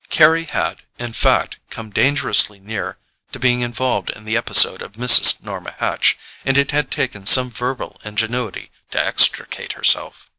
Carry had in fact come dangerously near to being involved in the episode of Mrs. Norma Hatch, and it had taken some verbal ingenuity to extricate herself.